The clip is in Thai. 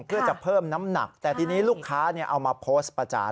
เพื่อจะเพิ่มน้ำหนักแต่ทีนี้ลูกค้าเอามาโพสต์ประจาน